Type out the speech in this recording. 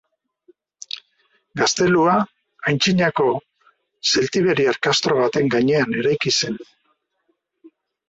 Gaztelua antzinako zeltiberiar kastro baten gainean eraiki zen.